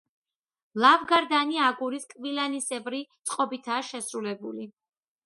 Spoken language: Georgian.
ლავგარდანი აგურის კბილანისებრი წყობითაა შესრულებული.